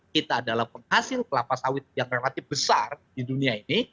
kita adalah penghasil kelapa sawit yang relatif besar di dunia ini